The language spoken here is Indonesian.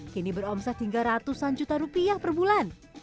kini beromset hingga ratusan juta rupiah per bulan